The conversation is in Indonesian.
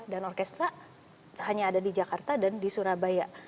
dan orkestra hanya ada di jakarta dan di surabaya